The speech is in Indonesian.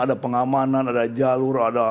ada pengamanan ada jalur ada